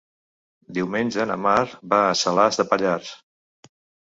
Diumenge na Mar va a Salàs de Pallars.